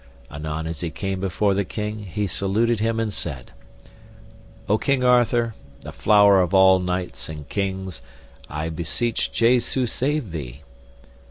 Anon as he came before the king, he saluted him and said: O King Arthur, the flower of all knights and kings, I beseech Jesu save thee.